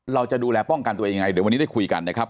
เราจะดูแลป้องกันตัวเองยังไงเดี๋ยววันนี้ได้คุยกันนะครับ